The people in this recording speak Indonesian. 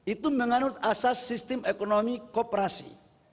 itu menganut asas sistem ekonomi kooperasi